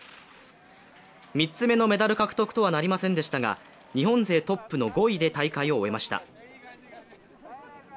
３つ目のメダル獲得とはなりませんでしたが、日本勢トップの５位で大会を終えました。